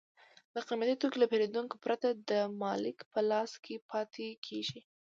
قیمتي توکي له پېرودونکو پرته د مالک په لاس کې پاتې کېږي